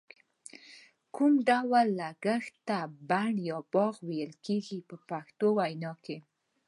کوم ډول کښت ته بڼ یا باغ ویل کېږي په پښتو وینا.